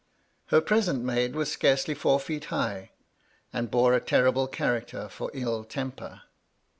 Her present maid was scarcely four feet high, and bore a terrible character for ill temper.